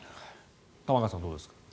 玉川さん、どうですか。